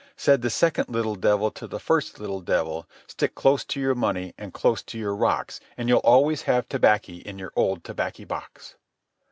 Said the second little devil to the first little devil, 'Stick close to your money and close to your rocks, An' you'll always have tobaccy in your old tobaccy box.